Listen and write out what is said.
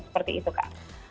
seperti itu kak